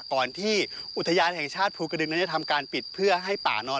ก่อนที่อุทยานแห่งชาติภูกระดึงนั้นจะทำการปิดเพื่อให้ป่านอน